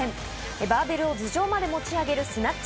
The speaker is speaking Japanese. バーベルを頭上まで持ち上げるスナッチ。